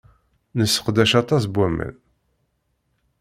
Nesseqdac aṭas n waman.